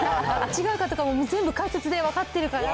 違いとかも、全部解説で分かってるから。